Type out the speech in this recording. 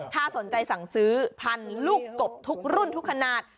ถ้าสนใจสั่งซื้อพันลูกกบทุกรุ่นทุกขนาด